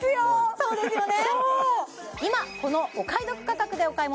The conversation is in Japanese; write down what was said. そうですよね